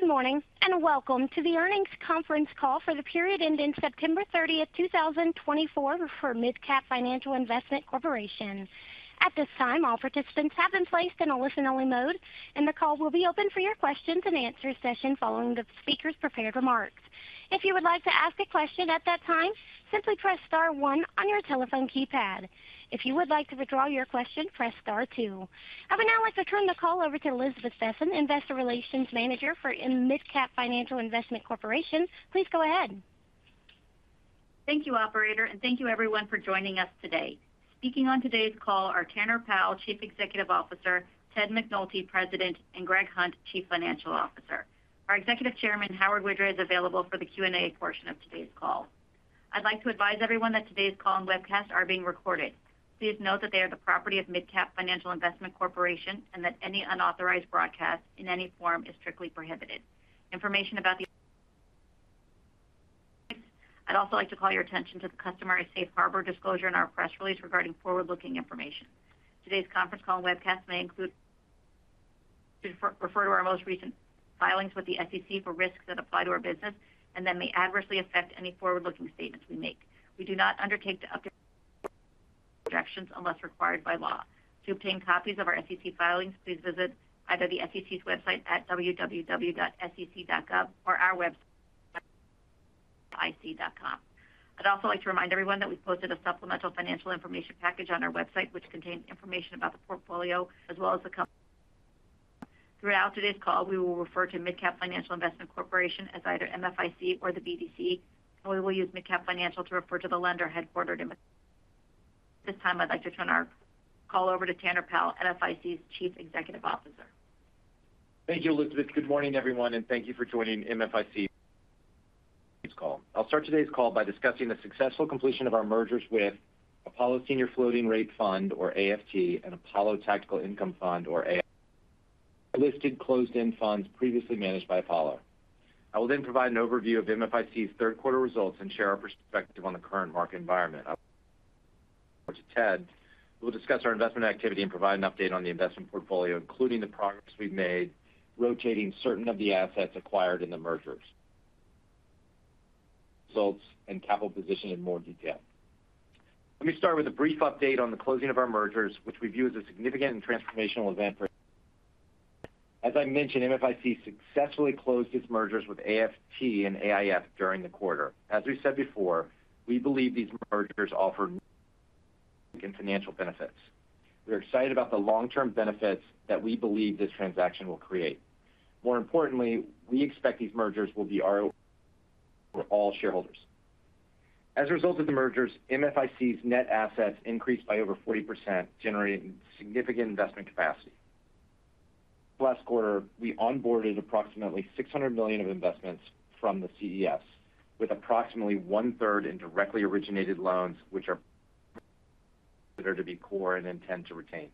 Good morning and welcome to the earnings conference call for the period ending September 30th, 2024, for MidCap Financial Investment Corporation. At this time, all participants have been placed in a listen-only mode, and the call will be open for your questions and answers session following the speaker's prepared remarks. If you would like to ask a question at that time, simply press star one on your telephone keypad. If you would like to withdraw your question, press star two. I would now like to turn the call over to Elizabeth Besen, Investor Relations Manager for MidCap Financial Investment Corporation. Please go ahead. Thank you, Operator, and thank you, everyone, for joining us today. Speaking on today's call are Tanner Powell, Chief Executive Officer, Ted McNulty, President, and Greg Hunt, Chief Financial Officer. Our Executive Chairman, Howard Widra, is available for the Q&A portion of today's call. I'd like to advise everyone that today's call and webcast are being recorded. Please note that they are the property of MidCap Financial Investment Corporation and that any unauthorized broadcast in any form is strictly prohibited. I'd also like to call your attention to the customary safe harbor disclosure in our press release regarding forward-looking information. Today's conference call and webcast may refer to our most recent filings with the SEC for risks that apply to our business and that may adversely affect any forward-looking statements we make. We do not undertake to update them unless required by law. To obtain copies of our SEC filings, please visit either the SEC's website at www.sec.gov or our website at mfic.com. I'd also like to remind everyone that we've posted a supplemental financial information package on our website, which contains information about the portfolio as well as the company. Throughout today's call, we will refer to MidCap Financial Investment Corporation as either MFIC or the BDC, and we will use MidCap Financial to refer to the lender headquartered, at this time, I'd like to turn our call over to Tanner Powell, MFIC's Chief Executive Officer. Thank you, Elizabeth. Good morning, everyone, and thank you for joining MFIC's call. I'll start today's call by discussing the successful completion of our mergers with Apollo Senior Floating Rate Fund, or AFT, and Apollo Tactical Income Fund, or AIF, listed closed-end funds previously managed by Apollo. I will then provide an overview of MFIC's third-quarter results and share our perspective on the current market environment. To Ted, we'll discuss our investment activity and provide an update on the investment portfolio, including the progress we've made rotating certain of the assets acquired in the mergers, results, and capital position in more detail. Let me start with a brief update on the closing of our mergers, which we view as a significant and transformational event for, as I mentioned, MFIC successfully closed its mergers with AFT and AIF during the quarter. As we said before, we believe these mergers offer significant financial benefits. We're excited about the long-term benefits that we believe this transaction will create. More importantly, we expect these mergers will be for all shareholders. As a result of the mergers, MFIC's net assets increased by over 40%, generating significant investment capacity. Last quarter, we onboarded approximately $600 million of investments from the CEFs, with approximately one-third in directly originated loans, which are considered to be core and intend to retain.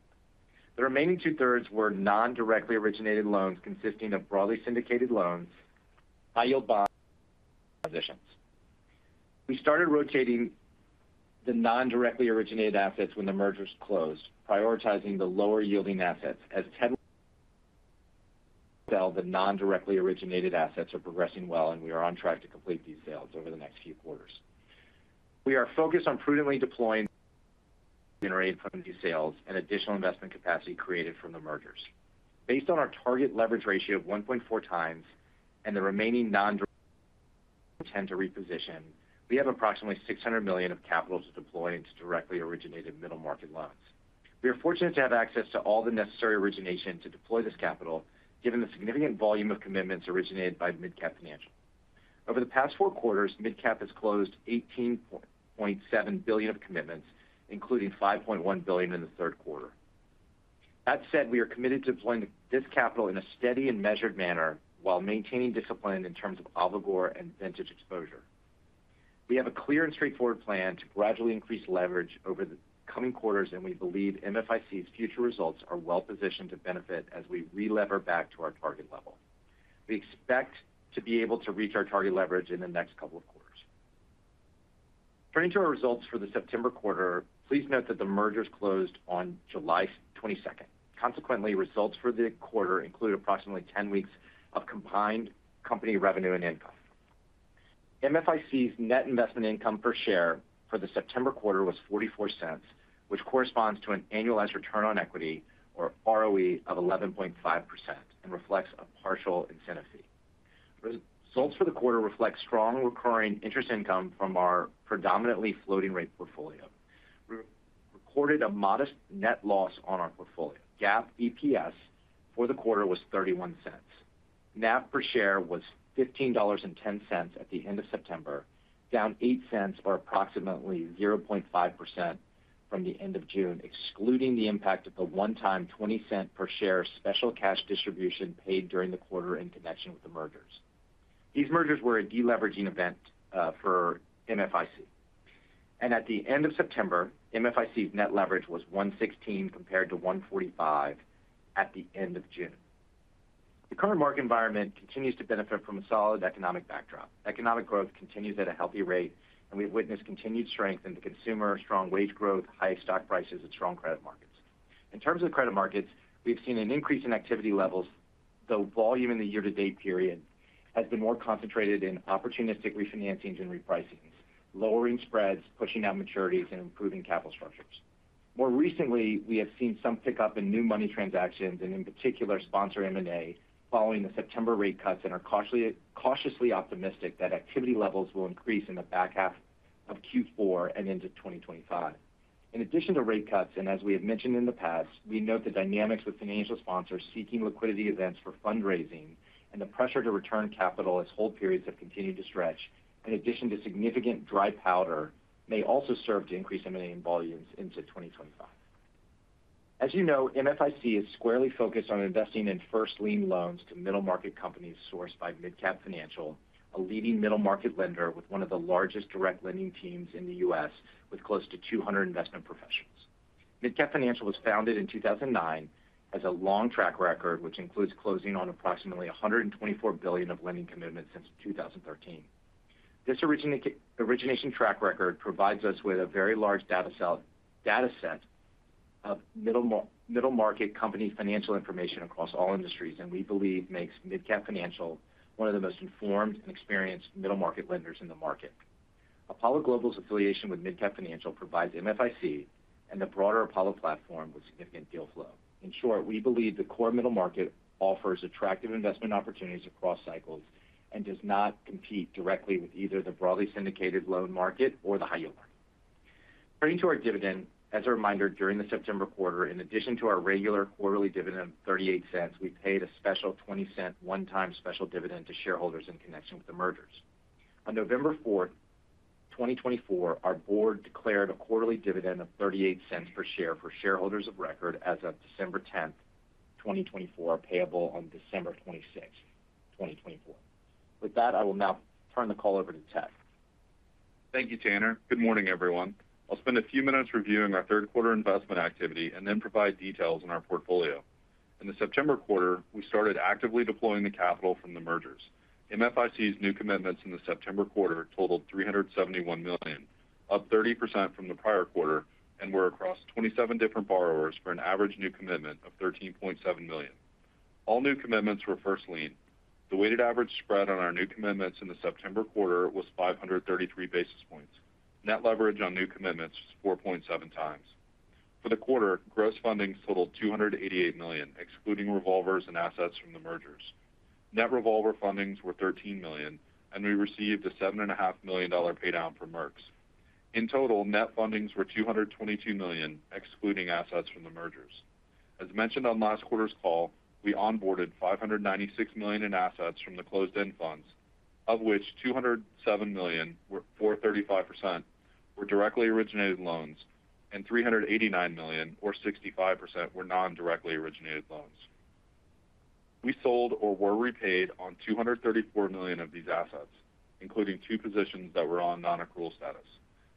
The remaining two-thirds were non-directly originated loans consisting of broadly syndicated loans, high-yield bonds, and positions. We started rotating the non-directly originated assets when the mergers closed, prioritizing the lower-yielding assets. As Ted said, the non-directly originated assets are progressing well, and we are on track to complete these sales over the next few quarters. We are focused on prudently deploying, generating funding sources and additional investment capacity created from the mergers. Based on our target leverage ratio of 1.4 times and the remaining non-directly originated funds we intend to reposition, we have approximately $600 million of capital to deploy into directly originated middle-market loans. We are fortunate to have access to all the necessary origination to deploy this capital, given the significant volume of commitments originated by MidCap Financial. Over the past four quarters, MidCap has closed $18.7 billion of commitments, including $5.1 billion in the third quarter. That said, we are committed to deploying this capital in a steady and measured manner while maintaining discipline in terms of obligor and vintage exposure. We have a clear and straightforward plan to gradually increase leverage over the coming quarters, and we believe MFIC's future results are well-positioned to benefit as we re-lever back to our target level. We expect to be able to reach our target leverage in the next couple of quarters. Turning to our results for the September quarter, please note that the mergers closed on July 22nd. Consequently, results for the quarter include approximately 10 weeks of combined company revenue and income. MFIC's net investment income per share for the September quarter was $0.44, which corresponds to an annualized return on equity, or ROE, of 11.5% and reflects a partial incentive fee. Results for the quarter reflect strong recurring interest income from our predominantly floating rate portfolio. We recorded a modest net loss on our portfolio. GAAP EPS for the quarter was $0.31. NAV per share was $15.10 at the end of September, down 8 cents, or approximately 0.5% from the end of June, excluding the impact of the one-time 20-cent per share special cash distribution paid during the quarter in connection with the mergers. These mergers were a de-leveraging event for MFIC. And at the end of September, MFIC's net leverage was 1.16 compared to 1.45 at the end of June. The current market environment continues to benefit from a solid economic backdrop. Economic growth continues at a healthy rate, and we've witnessed continued strength in the consumer, strong wage growth, high stock prices, and strong credit markets. In terms of the credit markets, we've seen an increase in activity levels, though volume in the year-to-date period has been more concentrated in opportunistic refinancings and repricings, lowering spreads, pushing out maturities, and improving capital structures. More recently, we have seen some pickup in new money transactions and, in particular, sponsor M&A following the September rate cuts and are cautiously optimistic that activity levels will increase in the back half of Q4 and into 2025. In addition to rate cuts, and as we have mentioned in the past, we note the dynamics with financial sponsors seeking liquidity events for fundraising and the pressure to return capital as hold periods have continued to stretch, in addition to significant dry powder, may also serve to increase M&A volumes into 2025. As you know, MFIC is squarely focused on investing in first-lien loans to middle-market companies sourced by MidCap Financial, a leading middle-market lender with one of the largest direct lending teams in the U.S., with close to 200 investment professionals. MidCap Financial was founded in 2009 with a long track record, which includes closing on approximately $124 billion of lending commitments since 2013. This origination track record provides us with a very large data set of middle-market company financial information across all industries, and we believe makes MidCap Financial one of the most informed and experienced middle-market lenders in the market. Apollo Global's affiliation with MidCap Financial provides MFIC and the broader Apollo platform with significant deal flow. In short, we believe the core middle market offers attractive investment opportunities across cycles and does not compete directly with either the broadly syndicated loan market or the high-yield market. Turning to our dividend, as a reminder, during the September quarter, in addition to our regular quarterly dividend of $0.38, we paid a special $0.20 one-time special dividend to shareholders in connection with the mergers. On November 4th, 2024, our board declared a quarterly dividend of $0.38 per share for shareholders of record as of December 10th, 2024, payable on December 26th, 2024. With that, I will now turn the call over to Ted. Thank you, Tanner. Good morning, everyone. I'll spend a few minutes reviewing our third-quarter investment activity and then provide details on our portfolio. In the September quarter, we started actively deploying the capital from the mergers. MFIC's new commitments in the September quarter totaled $371 million, up 30% from the prior quarter, and we're across 27 different borrowers for an average new commitment of $13.7 million. All new commitments were first-lien. The weighted average spread on our new commitments in the September quarter was 533 basis points. Net leverage on new commitments was 4.7 times. For the quarter, gross fundings totaled $288 million, excluding revolvers and assets from the mergers. Net revolver fundings were $13 million, and we received a $7.5 million paydown for Merx. In total, net fundings were $222 million, excluding assets from the mergers. As mentioned on last quarter's call, we onboarded $596 million in assets from the closed-end funds, of which $207 million were 35% were directly originated loans and $389 million, or 65%, were non-directly originated loans. We sold or were repaid on $234 million of these assets, including two positions that were on non-accrual status.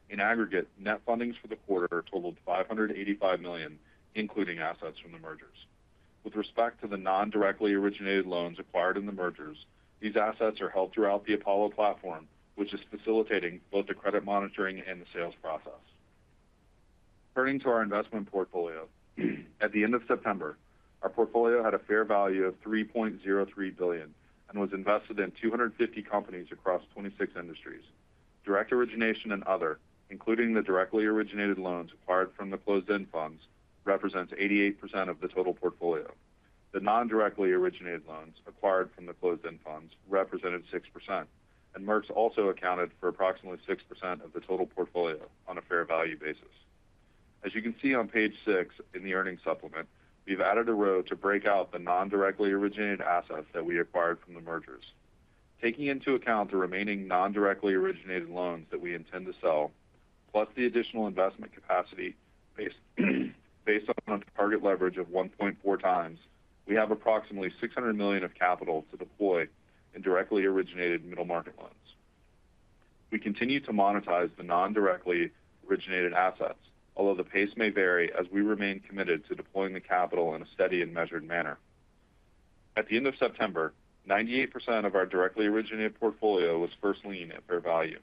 In aggregate, net fundings for the quarter totaled $585 million, including assets from the mergers. With respect to the non-directly originated loans acquired in the mergers, these assets are held throughout the Apollo platform, which is facilitating both the credit monitoring and the sales process. Turning to our investment portfolio, at the end of September, our portfolio had a fair value of $3.03 billion and was invested in 250 companies across 26 industries. Direct origination and other, including the directly originated loans acquired from the closed-end funds, represents 88% of the total portfolio. The non-directly originated loans acquired from the closed-end funds represented 6%, and Merx also accounted for approximately 6% of the total portfolio on a fair value basis. As you can see on page six in the earnings supplement, we've added a row to break out the non-directly originated assets that we acquired from the mergers. Taking into account the remaining non-directly originated loans that we intend to sell, plus the additional investment capacity based on a target leverage of 1.4 times, we have approximately $600 million of capital to deploy in directly originated middle-market loans. We continue to monetize the non-directly originated assets, although the pace may vary as we remain committed to deploying the capital in a steady and measured manner. At the end of September, 98% of our directly originated portfolio was first lien at fair value.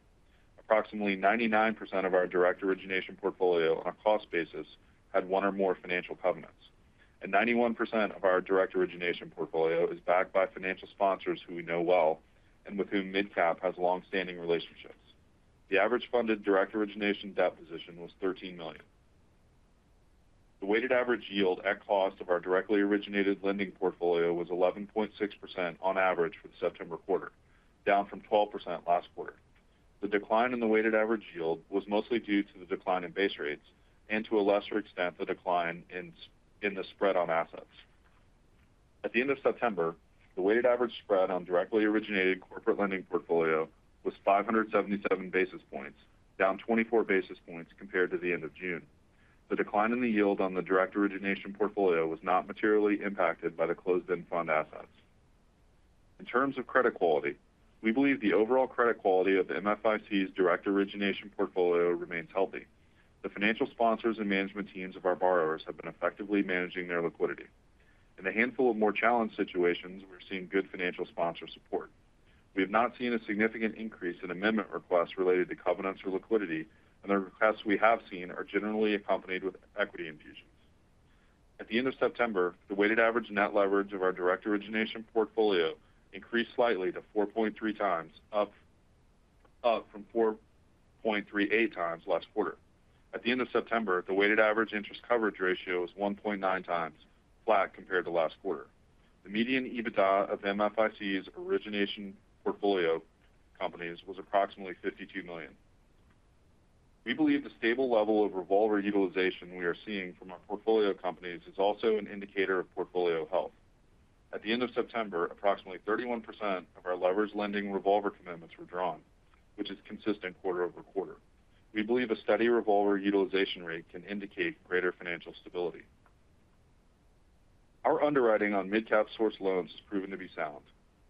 Approximately 99% of our direct origination portfolio on a cost basis had one or more financial covenants, and 91% of our direct origination portfolio is backed by financial sponsors who we know well and with whom MidCap has long-standing relationships. The average funded direct origination debt position was $13 million. The weighted average yield at cost of our directly originated lending portfolio was 11.6% on average for the September quarter, down from 12% last quarter. The decline in the weighted average yield was mostly due to the decline in base rates and, to a lesser extent, the decline in the spread on assets. At the end of September, the weighted average spread on directly originated corporate lending portfolio was 577 basis points, down 24 basis points compared to the end of June. The decline in the yield on the direct origination portfolio was not materially impacted by the closed-end fund assets. In terms of credit quality, we believe the overall credit quality of MFIC's direct origination portfolio remains healthy. The financial sponsors and management teams of our borrowers have been effectively managing their liquidity. In a handful of more challenged situations, we're seeing good financial sponsor support. We have not seen a significant increase in amendment requests related to covenants or liquidity, and the requests we have seen are generally accompanied with equity infusions. At the end of September, the weighted average net leverage of our direct origination portfolio increased slightly to 4.3 times, up from 4.38 times last quarter. At the end of September, the weighted average interest coverage ratio was 1.9 times, flat compared to last quarter. The median EBITDA of MFIC's origination portfolio companies was approximately $52 million. We believe the stable level of revolver utilization we are seeing from our portfolio companies is also an indicator of portfolio health. At the end of September, approximately 31% of our leverage lending revolver commitments were drawn, which is consistent quarter over quarter. We believe a steady revolver utilization rate can indicate greater financial stability. Our underwriting on MidCap source loans has proven to be sound.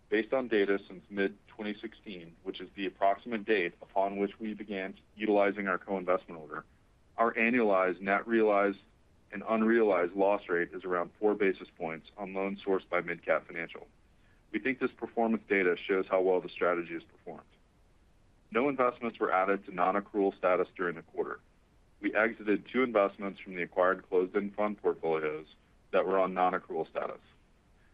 Based on data since mid-2016, which is the approximate date upon which we began utilizing our co-investment order, our annualized net realized and unrealized loss rate is around 4 basis points on loans sourced by MidCap Financial. We think this performance data shows how well the strategy is performed. No investments were added to non-accrual status during the quarter. We exited two investments from the acquired closed-end fund portfolios that were on non-accrual status.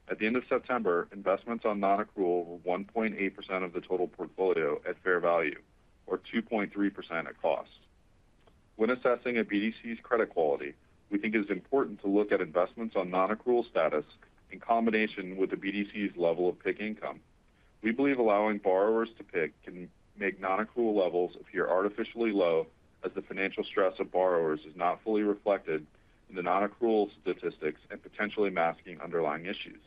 At the end of September, investments on non-accrual were 1.8% of the total portfolio at fair value, or 2.3% at cost. When assessing a BDC's credit quality, we think it is important to look at investments on non-accrual status in combination with the BDC's level of PIK income. We believe allowing borrowers to PIK can make non-accrual levels appear artificially low as the financial stress of borrowers is not fully reflected in the non-accrual statistics and potentially masking underlying issues.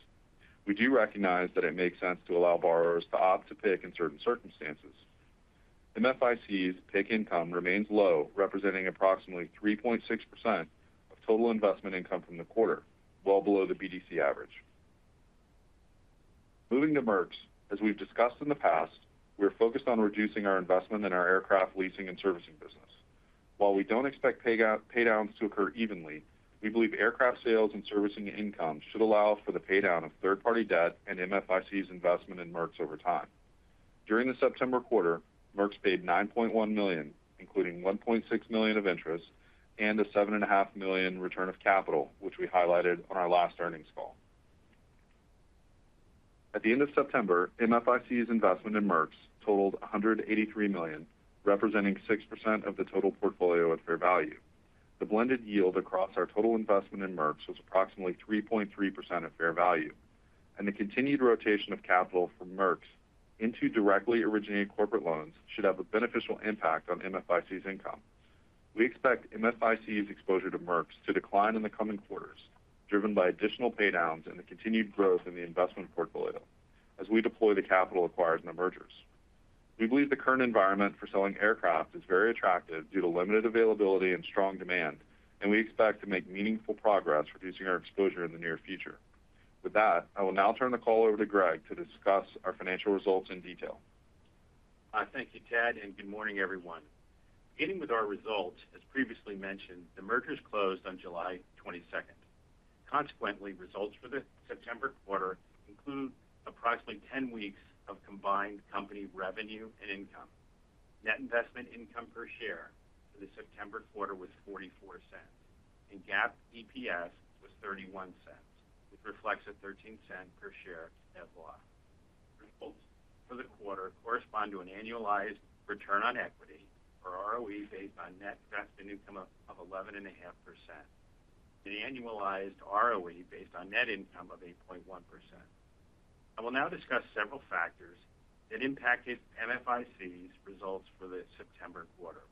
We do recognize that it makes sense to allow borrowers to opt to PIK in certain circumstances. MFIC's PIK income remains low, representing approximately 3.6% of total investment income from the quarter, well below the BDC average. Moving to Merx, as we've discussed in the past, we're focused on reducing our investment in our aircraft leasing and servicing business. While we don't expect paydowns to occur evenly, we believe aircraft sales and servicing income should allow for the paydown of third-party debt and MFIC's investment in Merx over time. During the September quarter, Merx paid $9.1 million, including $1.6 million of interest and a $7.5 million return of capital, which we highlighted on our last earnings call. At the end of September, MFIC's investment in Merx totaled $183 million, representing 6% of the total portfolio at fair value. The blended yield across our total investment in Merx was approximately 3.3% at fair value. And the continued rotation of capital from Merx into directly originated corporate loans should have a beneficial impact on MFIC's income. We expect MFIC's exposure to Merx to decline in the coming quarters, driven by additional paydowns and the continued growth in the investment portfolio as we deploy the capital acquired in the mergers. We believe the current environment for selling aircraft is very attractive due to limited availability and strong demand, and we expect to make meaningful progress reducing our exposure in the near future. With that, I will now turn the call over to Greg to discuss our financial results in detail. Thank you, Ted, and good morning, everyone. Beginning with our results, as previously mentioned, the mergers closed on July 22nd. Consequently, results for the September quarter include approximately 10 weeks of combined company revenue and income. Net investment income per share for the September quarter was $0.44, and GAAP EPS was $0.31, which reflects a $0.13 per share net loss. Results for the quarter correspond to an annualized return on equity or ROE based on net investment income of 11.5% and an annualized ROE based on net income of 8.1%. I will now discuss several factors that impacted MFIC's results for the September quarter.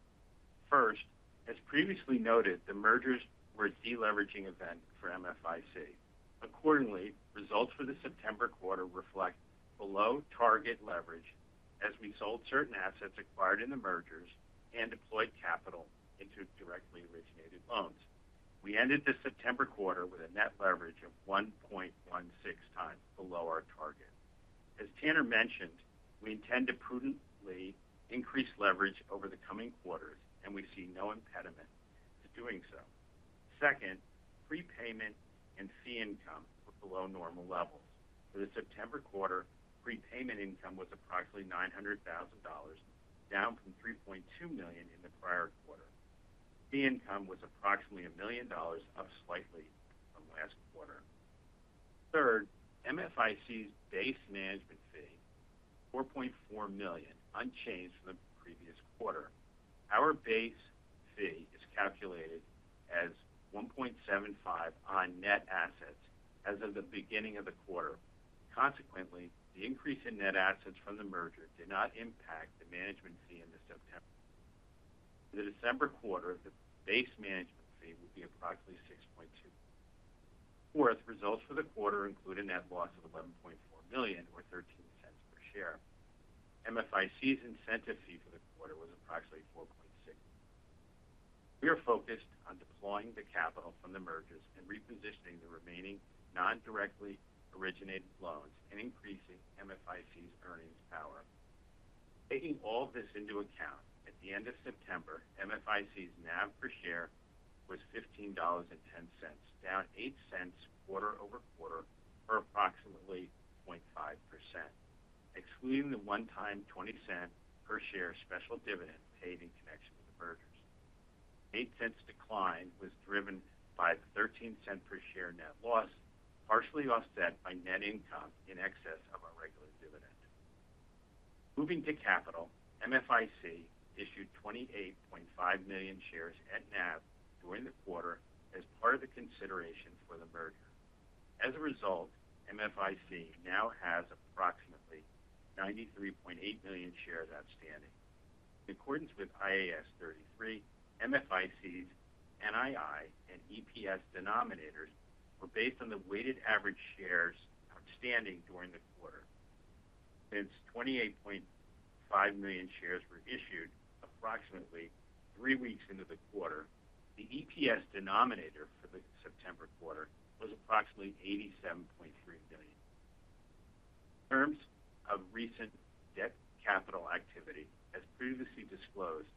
First, as previously noted, the mergers were a deleveraging event for MFIC. Accordingly, results for the September quarter reflect below target leverage as we sold certain assets acquired in the mergers and deployed capital into directly originated loans. We ended the September quarter with a net leverage of 1.16 times below our target. As Tanner mentioned, we intend to prudently increase leverage over the coming quarters, and we see no impediment to doing so. Second, prepayment and fee income were below normal levels. For the September quarter, prepayment income was approximately $900,000, down from $3.2 million in the prior quarter. Fee income was approximately $1 million, up slightly from last quarter. Third, MFIC's base management fee was $4.4 million, unchanged from the previous quarter. Our base fee is calculated as 1.75 on net assets as of the beginning of the quarter. Consequently, the increase in net assets from the merger did not impact the management fee in the September quarter. For the December quarter, the base management fee would be approximately $6.2 million. Fourth, results for the quarter include a net loss of $11.4 million, or $0.13 per share. MFIC's incentive fee for the quarter was approximately $4.6 million. We are focused on deploying the capital from the mergers and repositioning the remaining non-directly originated loans and increasing MFIC's earnings power. Taking all of this into account, at the end of September, MFIC's NAV per share was $15.10, down $0.08 quarter over quarter for approximately 0.5%, excluding the one-time $0.20 per share special dividend paid in connection with the mergers. The $0.08 decline was driven by the $0.13 per share net loss, partially offset by net income in excess of our regular dividend. Moving to capital, MFIC issued 28.5 million shares at NAV during the quarter as part of the consideration for the merger. As a result, MFIC now has approximately 93.8 million shares outstanding. In accordance with IAS 33, MFIC's NII and EPS denominators were based on the weighted average shares outstanding during the quarter. Since 28.5 million shares were issued approximately three weeks into the quarter, the EPS denominator for the September quarter was approximately 87.3 million. In terms of recent debt capital activity, as previously disclosed,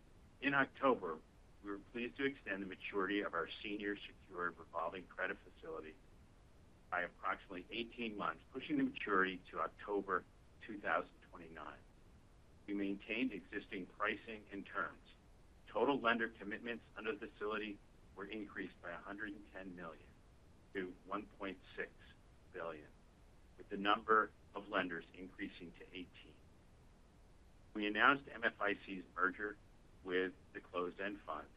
in October, we were pleased to extend the maturity of our senior secured revolving credit facility by approximately 18 months, pushing the maturity to October 2029. We maintained existing pricing and terms. Total lender commitments under the facility were increased by 110 million to 1.6 billion, with the number of lenders increasing to 18. We announced MFIC's merger with the closed-end funds.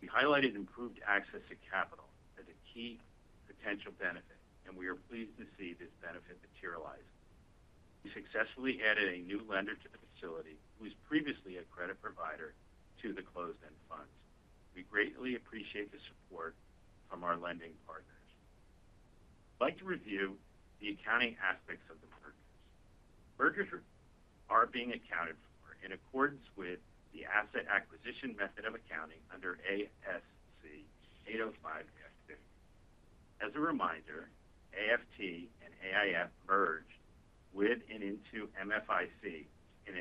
We highlighted improved access to capital as a key potential benefit, and we are pleased to see this benefit materialize. We successfully added a new lender to the facility, who was previously a credit provider, to the closed-end funds. We greatly appreciate the support from our lending partners. I'd like to review the accounting aspects of the mergers. Mergers are being accounted for in accordance with the asset acquisition method of accounting under ASC 805 F2. As a reminder, AFT and AIF merged with and into MFIC in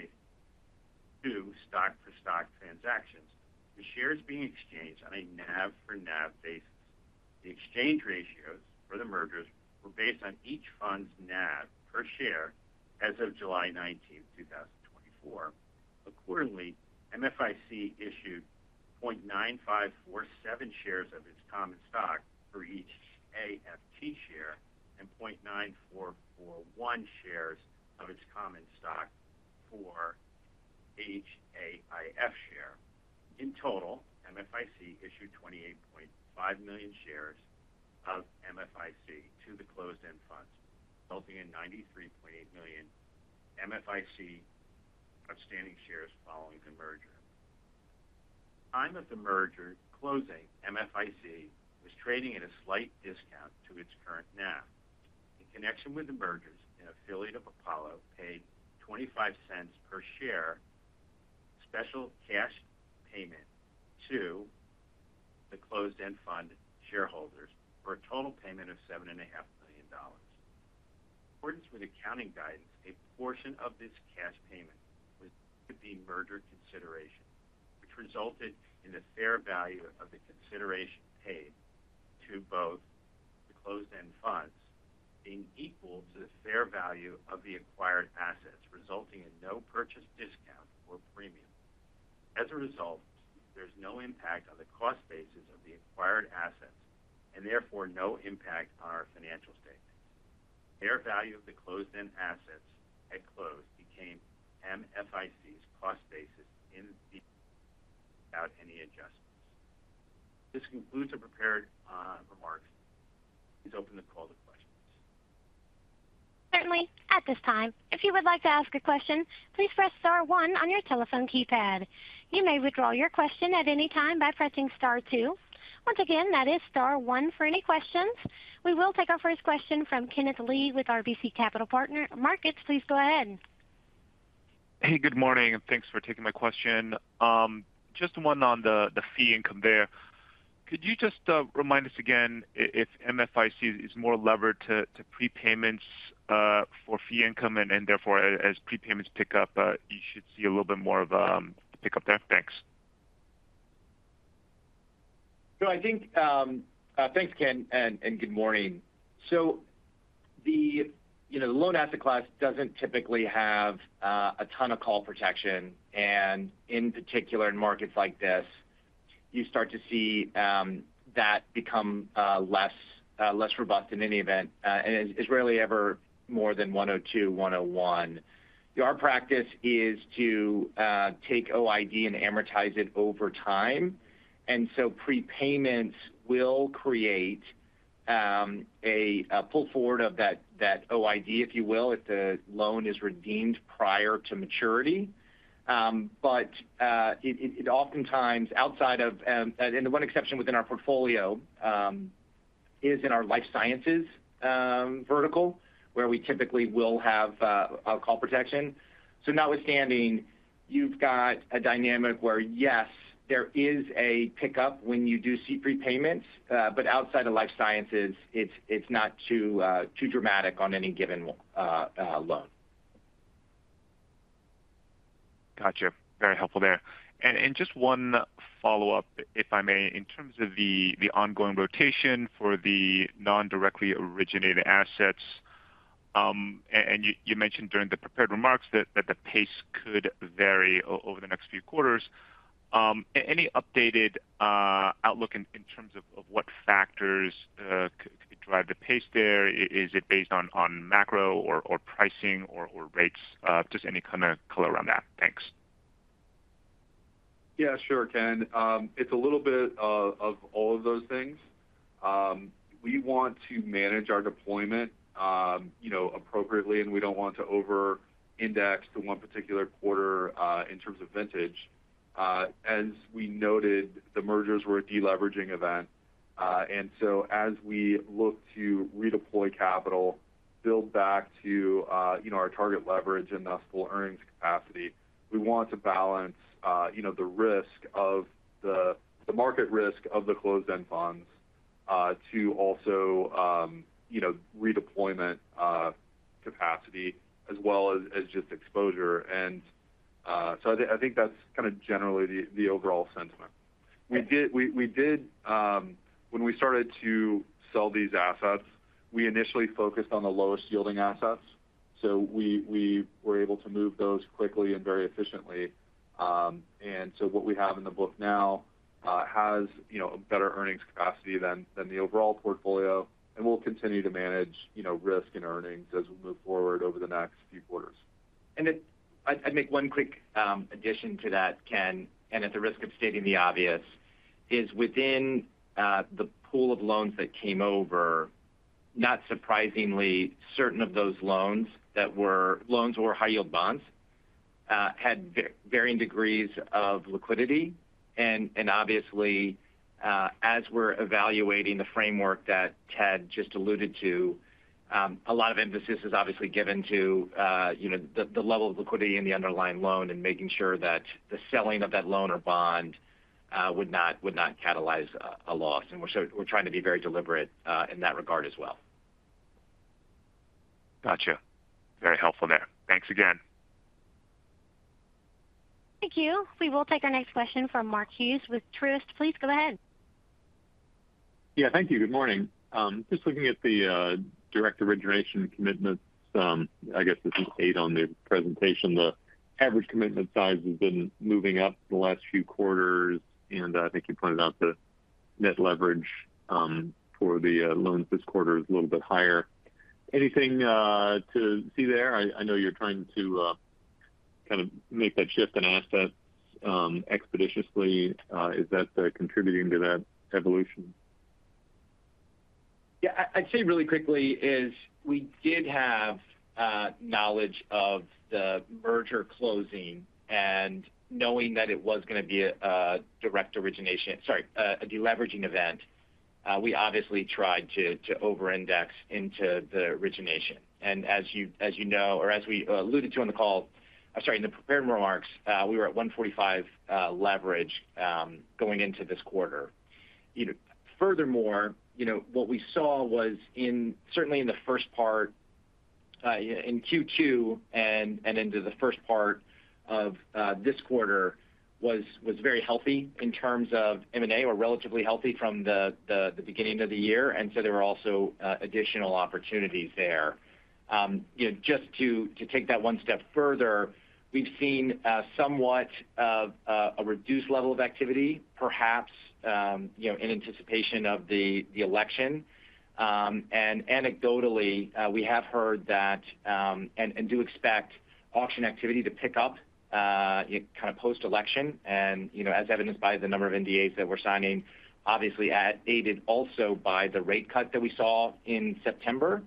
two stock-for-stock transactions, with shares being exchanged on a NAV-for-NAV basis. The exchange ratios for the mergers were based on each fund's NAV per share as of July 19th, 2024. Accordingly, MFIC issued 0.9547 shares of its common stock for each AFT share and 0.9441 shares of its common stock for each AIF share. In total, MFIC issued 28.5 million shares of MFIC to the closed-end funds, resulting in 93.8 million MFIC outstanding shares following the merger. At the time of the merger closing, MFIC was trading at a slight discount to its current NAV. In connection with the mergers, an affiliate of Apollo paid $0.25 per share special cash payment to the closed-end fund shareholders for a total payment of $7.5 million. In accordance with accounting guidance, a portion of this cash payment was to be merger consideration, which resulted in the fair value of the consideration paid to both the closed-end funds being equal to the fair value of the acquired assets, resulting in no purchase discount or premium. As a result, there's no impact on the cost basis of the acquired assets and therefore no impact on our financial statements. The fair value of the closed-end assets at close became MFIC's cost basis without any adjustments. This concludes the prepared remarks. Please open the call to questions. Certainly. At this time, if you would like to ask a question, please press star one on your telephone keypad. You may withdraw your question at any time by pressing star two. Once again, that is star one for any questions. We will take our first question from Kenneth Lee with RBC Capital Markets. Mark, please go ahead. Hey, good morning, and thanks for taking my question. Just one on the fee income there. Could you just remind us again if MFIC is more levered to prepayments for fee income and therefore, as prepayments pick up, you should see a little bit more of a pickup there? Thanks. So I think thanks, Ken, and good morning. So the loan asset class doesn't typically have a ton of call protection. And in particular, in markets like this, you start to see that become less robust in any event and is rarely ever more than 102, 101. Our practice is to take OID and amortize it over time. And so prepayments will create a pull forward of that OID, if you will, if the loan is redeemed prior to maturity. But it oftentimes, outside of, and the one exception within our portfolio is in our life sciences vertical, where we typically will have a call protection. So notwithstanding, you've got a dynamic where, yes, there is a pickup when you do see prepayments, but outside of life sciences, it's not too dramatic on any given loan. Gotcha. Very helpful there. And just one follow-up, if I may, in terms of the ongoing rotation for the non-directly originated assets. And you mentioned during the prepared remarks that the pace could vary over the next few quarters. Any updated outlook in terms of what factors could drive the pace there? Is it based on macro or pricing or rates? Just any kind of color around that. Thanks. Yeah, sure, Ken. It's a little bit of all of those things. We want to manage our deployment appropriately, and we don't want to over-index to one particular quarter in terms of vintage. As we noted, the mergers were a deleveraging event. And so as we look to redeploy capital, build back to our target leverage and thus full earnings capacity, we want to balance the risk of the market risk of the closed-end funds to also redeployment capacity as well as just exposure. And so I think that's kind of generally the overall sentiment. We did, when we started to sell these assets, we initially focused on the lowest yielding assets. So we were able to move those quickly and very efficiently. What we have in the book now has a better earnings capacity than the overall portfolio, and we'll continue to manage risk and earnings as we move forward over the next few quarters. And I'd make one quick addition to that, Ken, and at the risk of stating the obvious, is within the pool of loans that came over, not surprisingly, certain of those loans that were loans or high-yield bonds had varying degrees of liquidity. And obviously, as we're evaluating the framework that Ted just alluded to, a lot of emphasis is obviously given to the level of liquidity in the underlying loan and making sure that the selling of that loan or bond would not catalyze a loss. And we're trying to be very deliberate in that regard as well. Gotcha. Very helpful there. Thanks again. Thank you. We will take our next question from Mark Hughes with Truist. Please go ahead. Yeah, thank you. Good morning. Just looking at the direct origination commitments, I guess this is a slide on the presentation. The average commitment size has been moving up the last few quarters, and I think you pointed out the net leverage for the loans this quarter is a little bit higher. Anything to see there? I know you're trying to kind of make that shift in assets expeditiously. Is that contributing to that evolution? Yeah. I'd say really quickly is we did have knowledge of the merger closing and knowing that it was going to be a direct origination, sorry, a deleveraging event. We obviously tried to over-index into the origination. And as you know, or as we alluded to in the call, sorry, in the prepared remarks, we were at 145 leverage going into this quarter. Furthermore, what we saw was certainly in the first part, in Q2 and into the first part of this quarter, was very healthy in terms of M&A or relatively healthy from the beginning of the year. And so there were also additional opportunities there. Just to take that one step further, we've seen somewhat of a reduced level of activity, perhaps in anticipation of the election. And anecdotally, we have heard that and do expect auction activity to pick up kind of post-election. And as evidenced by the number of NDAs that we're signing, obviously aided also by the rate cut that we saw in September.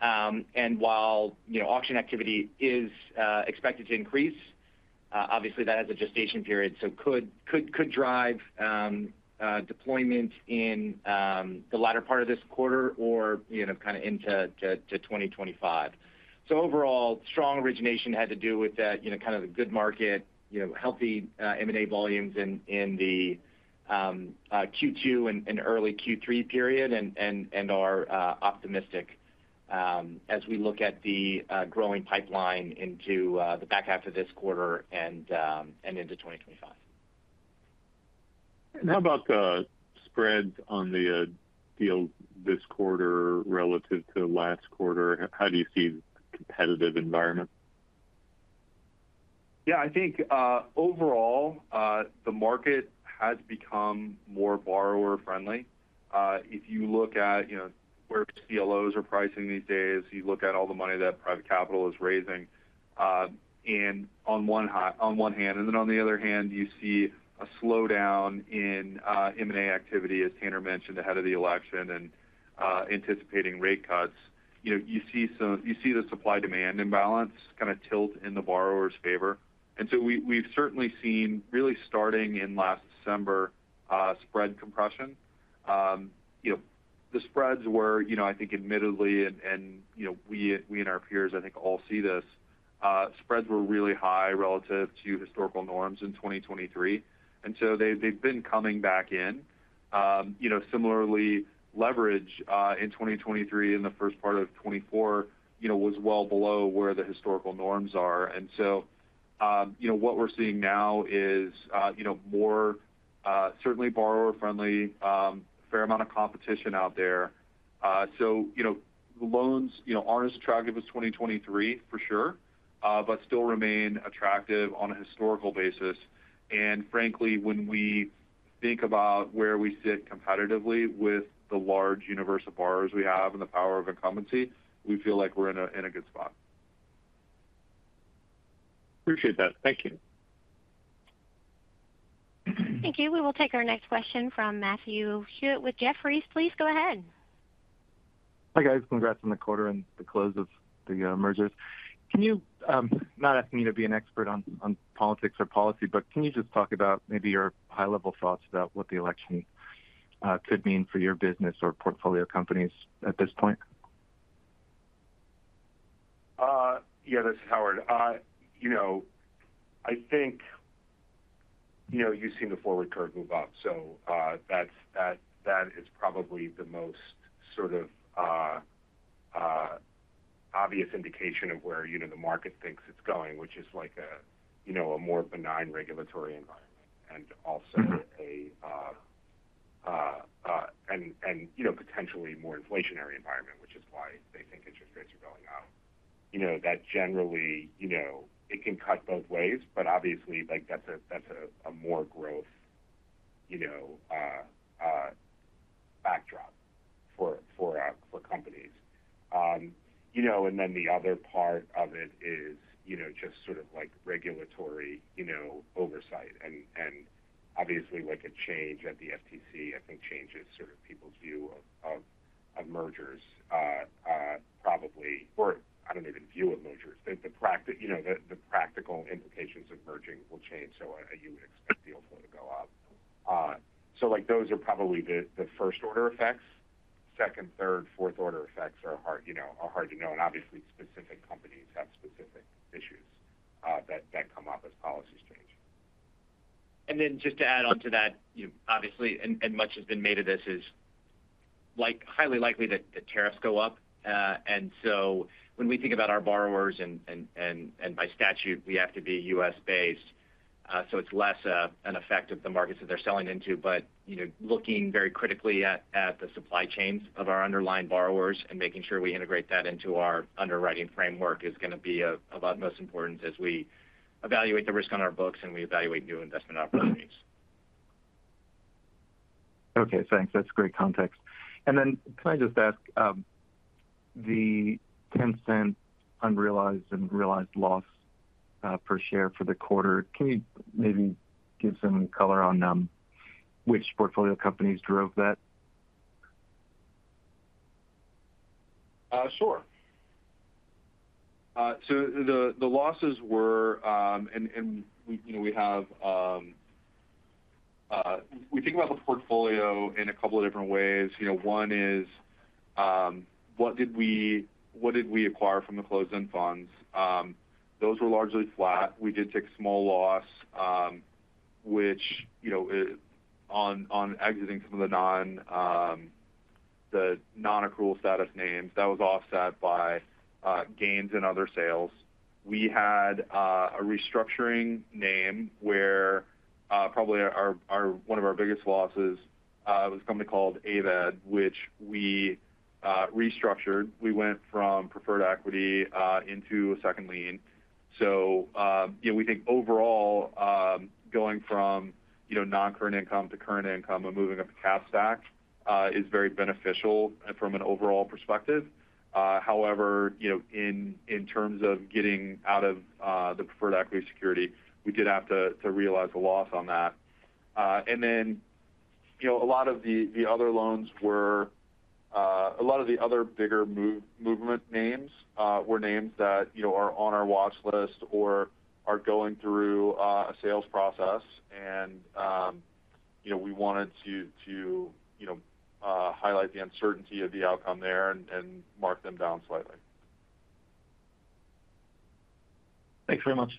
And while auction activity is expected to increase, obviously that has a gestation period, so could drive deployment in the latter part of this quarter or kind of into 2025. So overall, strong origination had to do with kind of a good market, healthy M&A volumes in the Q2 and early Q3 period, and are optimistic as we look at the growing pipeline into the back half of this quarter and into 2025. How about the spread on the deal this quarter relative to last quarter? How do you see the competitive environment? Yeah, I think overall, the market has become more borrower-friendly. If you look at where CLOs are pricing these days, you look at all the money that private capital is raising on one hand, and then on the other hand, you see a slowdown in M&A activity, as Tanner mentioned ahead of the election and anticipating rate cuts. You see the supply-demand imbalance kind of tilt in the borrower's favor, and so we've certainly seen, really starting in last December, spread compression. The spreads were, I think, admittedly, and we and our peers, I think, all see this, spreads were really high relative to historical norms in 2023. And so they've been coming back in. Similarly, leverage in 2023 in the first part of 2024 was well below where the historical norms are, and so what we're seeing now is more certainly borrower-friendly, a fair amount of competition out there. So loans aren't as attractive as 2023, for sure, but still remain attractive on a historical basis. And frankly, when we think about where we sit competitively with the large universe of borrowers we have and the power of incumbency, we feel like we're in a good spot. Appreciate that. Thank you. Thank you. We will take our next question from Matthew Hewitt with Jefferies. Please go ahead. Hi guys. Congrats on the quarter and the close of the mergers. Can you, not asking you to be an expert on politics or policy, but can you just talk about maybe your high-level thoughts about what the election could mean for your business or portfolio companies at this point? Yeah, this is Howard. I think you've seen the forward curve move up. So that is probably the most sort of obvious indication of where the market thinks it's going, which is like a more benign regulatory environment and also potentially more inflationary environment, which is why they think interest rates are going up. That generally, it can cut both ways, but obviously that's a more growth backdrop for companies, and then the other part of it is just sort of regulatory oversight, and obviously a change at the FTC, I think, changes sort of people's view of mergers probably—or I don't even view of mergers. The practical implications of merging will change, so you would expect the overall to go up, so those are probably the first-order effects. Second, third, fourth-order effects are hard to know. Obviously, specific companies have specific issues that come up as policies change. and then just to add on to that, obviously, and much has been made of this, is highly likely that tariffs go up. And so when we think about our borrowers and by statute, we have to be U.S.-based. So it's less an effect of the markets that they're selling into. But looking very critically at the supply chains of our underlying borrowers and making sure we integrate that into our underwriting framework is going to be of utmost importance as we evaluate the risk on our books and we evaluate new investment opportunities. Okay. Thanks. That's great context. And then can I just ask the $0.10 unrealized and realized loss per share for the quarter? Can you maybe give some color on which portfolio companies drove that? Sure. So the losses were, and we have, we think about the portfolio in a couple of different ways. One is, what did we acquire from the closed-end funds? Those were largely flat. We did take small loss, which on exiting some of the non-accrual status names, that was offset by gains in other sales. We had a restructuring name where probably one of our biggest losses was a company called Avid, which we restructured. We went from preferred equity into a second lien. So we think overall, going from non-current income to current income and moving up the cap stack is very beneficial from an overall perspective. However, in terms of getting out of the preferred equity security, we did have to realize a loss on that. And then a lot of the other bigger movement names were names that are on our watch list or are going through a sales process. And we wanted to highlight the uncertainty of the outcome there and mark them down slightly. Thanks very much.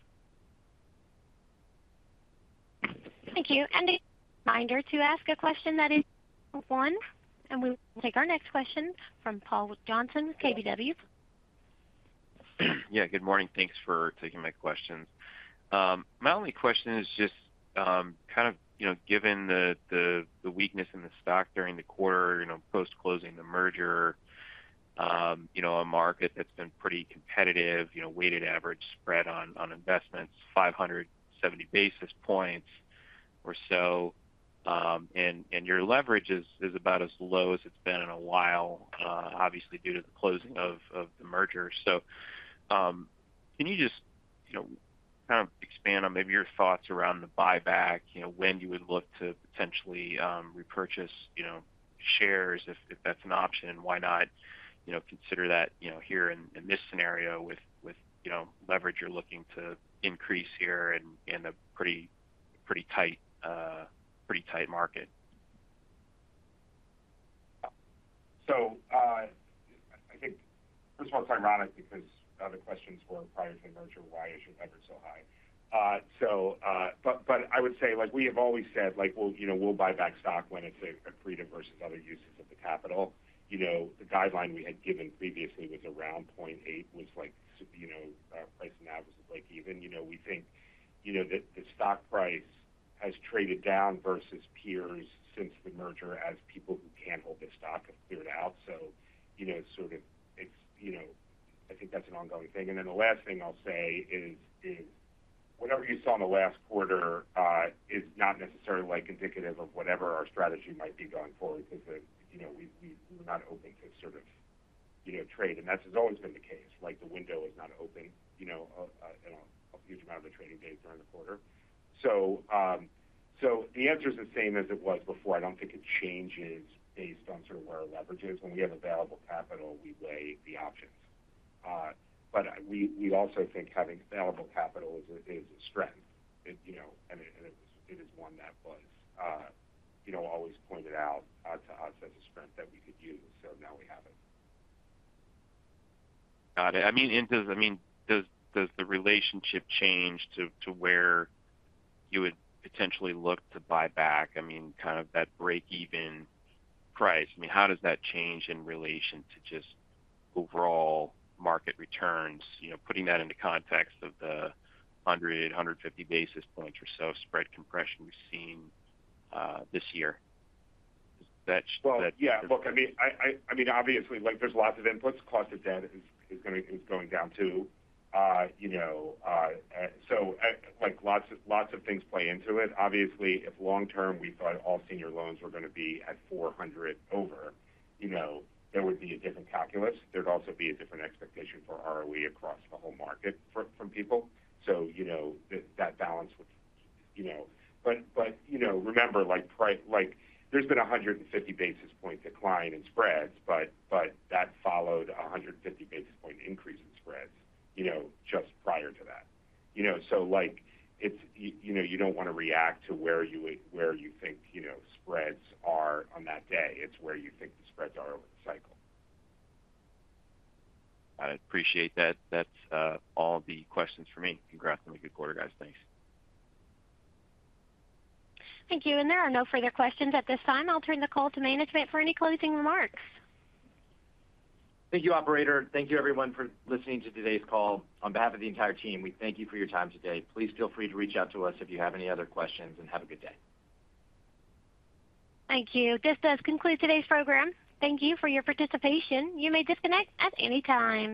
Thank you. And a reminder to ask a question that is one. And we will take our next question from Paul Johnson with KBW. Yeah. Good morning. Thanks for taking my questions. My only question is just kind of given the weakness in the stock during the quarter, post-closing the merger, a market that's been pretty competitive, weighted average spread on investments, 570 basis points or so. And your leverage is about as low as it's been in a while, obviously due to the closing of the merger. So can you just kind of expand on maybe your thoughts around the buyback, when you would look to potentially repurchase shares if that's an option, and why not consider that here in this scenario with leverage you're looking to increase here in a pretty tight market? So, I think, first of all, it's ironic because the questions were prior to the merger: why is your leverage so high? But I would say, like we have always said, we'll buy back stock when it's a prudent versus other uses of the capital. The guideline we had given previously was around 0.8, was priced now, was like even. We think that the stock price has traded down versus peers since the merger as people who can't hold this stock have cleared out. So sort of I think that's an ongoing thing. And then the last thing I'll say is, whatever you saw in the last quarter is not necessarily indicative of whatever our strategy might be going forward because we're not open to sort of trade. And that's always been the case. The window is not open a huge amount of the trading days during the quarter. The answer is the same as it was before. I don't think it changes based on sort of where our leverage is. When we have available capital, we weigh the options. We also think having available capital is a strength. It is one that was always pointed out to us as a strength that we could use. Now we have it. Got it. I mean, does the relationship change to where you would potentially look to buy back? I mean, kind of that break-even price. I mean, how does that change in relation to just overall market returns? Putting that into context of the 100-150 basis points or so spread compression we've seen this year. Yeah. Look, I mean, obviously, there's lots of inputs. Cost of debt is going down too. Lots of things play into it. Obviously, if long-term we thought all senior loans were going to be at 400 over, there would be a different calculus. There'd also be a different expectation for ROE across the whole market from people. That balance would, but remember, there's been a 150 basis points decline in spreads, but that followed a 150 basis points increase in spreads just prior to that. You don't want to react to where you think spreads are on that day. It's where you think the spreads are over the cycle. Got it. Appreciate that. That's all the questions for me. Congrats on a good quarter, guys. Thanks. Thank you. There are no further questions at this time. I'll turn the call to management for any closing remarks. Thank you, operator. Thank you, everyone, for listening to today's call. On behalf of the entire team, we thank you for your time today. Please feel free to reach out to us if you have any other questions, and have a good day. Thank you. This does conclude today's program. Thank you for your participation. You may disconnect at any time.